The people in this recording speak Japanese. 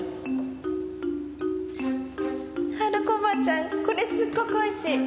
春子おばちゃんこれすっごくおいしい！